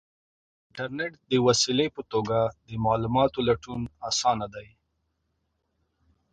د انټرنیټ د وسیلې په توګه د معلوماتو لټون آسانه دی.